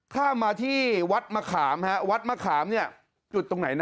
ถ้ามาที่วัดมะขามวัดมะขามจุดตรงไหน